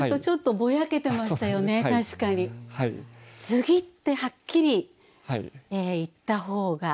継ぎってはっきり言った方が。